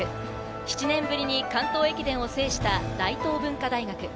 ７年ぶりに関東駅伝を制した大東文化大学。